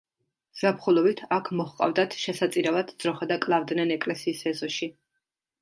ზაფხულობით აქ მოჰყავდათ შესაწირავად ძროხა და კლავდნენ ეკლესიის ეზოში.